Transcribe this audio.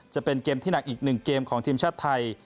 จะเป็นเกมที่หนักอีก๑เกมของทีมชาติไทย